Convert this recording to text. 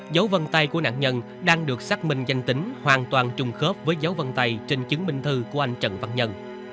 dấu vân tay của nạn nhân đang được xác minh danh tính hoàn toàn trùng khớp với dấu vân tay trên chứng minh thư của anh trần văn nhân